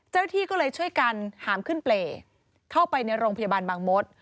ที่ก็เลยช่วยกันหามขึ้นเปรย์เข้าไปในโรงพยาบาลบางมศ